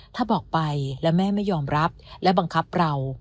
ถ้าบอกไปแล้วแม่ไม่ยอมรับและบังคับเรา